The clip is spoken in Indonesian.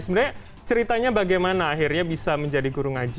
sebenarnya ceritanya bagaimana akhirnya bisa menjadi guru ngaji